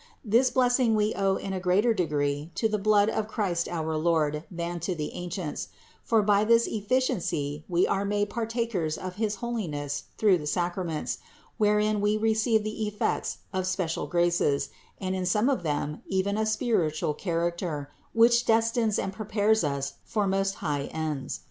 This blessing we owe in a greater degree to the blood of Christ our Lord than the ancients; for by its efficiency we are made partakers of his holiness through the Sacraments, wherein we receive the effects of special graces, and in some of them even a spiritual character, which destines and prepares us for Most High ends.